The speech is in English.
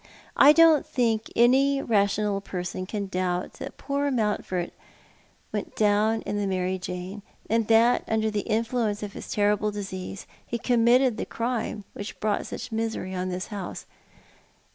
I don't think any rational person can doubt that poor Mountford Lady Penritlis Idea. 201 went down in the Mary Jane, or that — under the influence of his terrible disease — he committed the crime which brought such misery on tliis house."